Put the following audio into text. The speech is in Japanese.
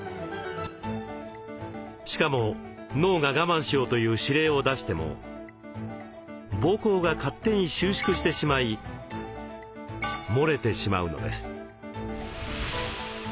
しかも脳が我慢しようという指令を出しても膀胱が勝手に収縮してしまいもれてしまうのです。